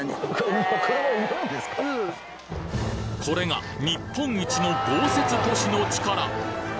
これが日本一の豪雪都市の力。